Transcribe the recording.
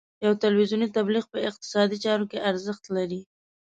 یو تلویزیوني تبلیغ په اقتصادي چارو کې ارزښت لري.